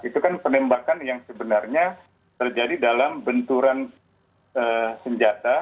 itu kan penembakan yang sebenarnya terjadi dalam benturan senjata